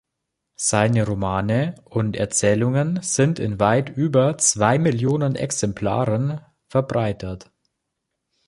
Seine Romane und Erzählungen sind in weit über zwei Millionen Exemplaren verbreitet.